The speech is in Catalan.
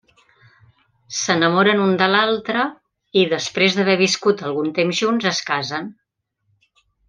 S'enamoren un de l'altre, i, després d'haver viscut algun temps junts, es casen.